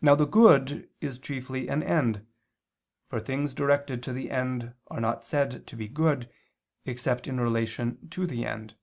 Now the good is chiefly an end, for things directed to the end are not said to be good except in relation to the end.